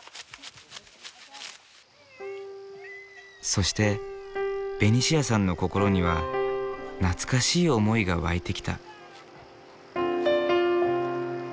そしてベニシアさんの心には懐かしい思いが湧いてきた。